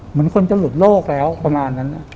เหมือนคนจะหลุดโลกแล้วประมาณนั้น